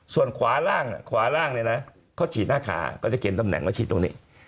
ส่วนขวาล่างขวาล่างเนี่ยนะเขาฉีดหน้าขาเขาจะเขียนตำแหน่งมาฉีดตรงนี้